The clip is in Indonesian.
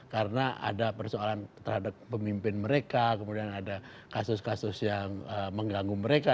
karena ada persoalan terhadap pemimpin mereka kemudian ada kasus kasus yang mengganggu mereka